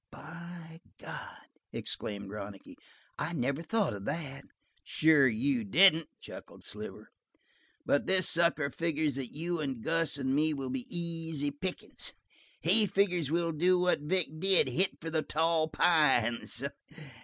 "By God!" exclaimed Ronicky. "I never thought of that!" "Sure you didn't," chuckled Sliver. "But this sucker figures that you and Gus and me will be easy pickin's. He figures we'll do what Vic did hit for the tall pines.